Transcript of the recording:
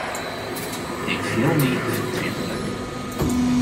Ik fiel my fertrietlik.